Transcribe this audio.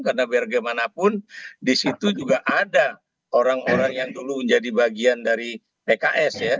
karena biar bagaimanapun di situ juga ada orang orang yang dulu menjadi bagian dari pks ya